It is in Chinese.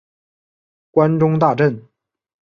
关中大震。